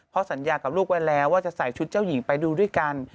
เพราะสัญญากับลูกไว้แล้วว่าจะใส่ชุดเจ้าหญิงไปดูด้วยกัน